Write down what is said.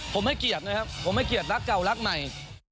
ผมให้เกียรตินะครับผมให้เกียรติรักเก่ารักใหม่